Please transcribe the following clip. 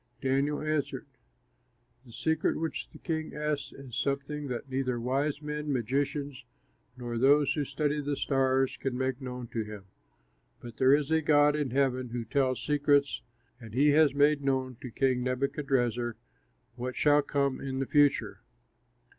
Daniel answered, "The secret which the king asks is something that neither wise men, magicians, nor those who study the stars can make known to him; but there is a God in heaven who tells secrets, and he has made known to King Nebuchadrezzar what shall come in the future.